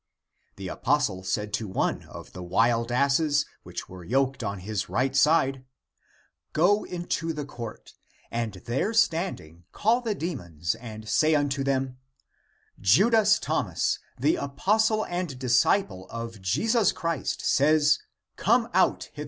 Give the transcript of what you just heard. The apostle said to one of the wild asses, which were yoked on the right side, " Go into the court, and there standing call the demons and say unto them, Judas Thomas, the apostle and dis ciple of Jesus Christ, says, Come out hither!